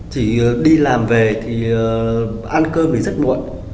chỉ đi làm về thì ăn cơm thì rất muộn